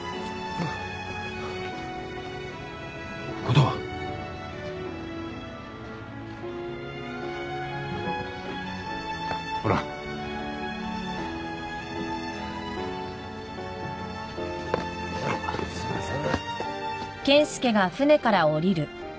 ああすいません。